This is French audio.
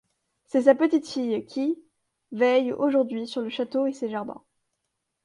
C’est sa petite-fille qui veille aujourd’hui sur le château et ses jardins.